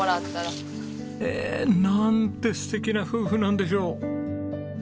ええなんて素敵な夫婦なんでしょう。